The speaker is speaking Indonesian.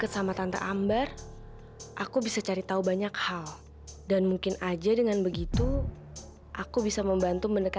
sampai jumpa di video selanjutnya